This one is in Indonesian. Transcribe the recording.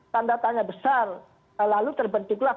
tanda tanya besar lalu terbentuklah